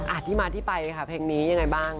ที่มาที่ไปค่ะเพลงนี้ยังไงบ้าง